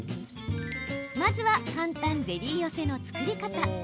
まずは、簡単ゼリー寄せの作り方。